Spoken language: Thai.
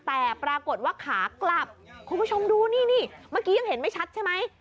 แต่ปรากฏว่าขากลับคุณผู้ชมดูนี่นี่เมื่อกี้ยังเห็นไม่ชัดใช่ไหม